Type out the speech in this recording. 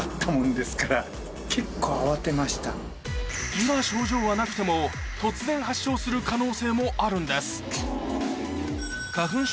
今症状はなくても突然発症する可能性もあるんです